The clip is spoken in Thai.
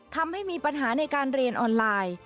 ทำให้มีปัญหาในการเรียนออนไลน์